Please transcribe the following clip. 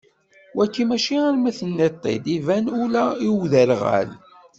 Wagi mačči arma tenniḍ-t-id, iban ula i uderɣal.